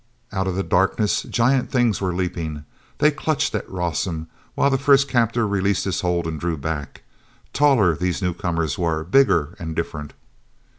Out of the darkness, giant things were leaping. They clutched at Rawson, while the first captor released his hold and drew back. Taller, these newcomers were, bigger, and different.